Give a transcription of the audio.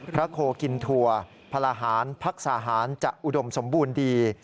โคกินทัวร์พลหารพักษาหารจะอุดมสมบูรณ์ดี